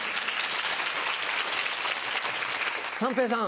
三平さん。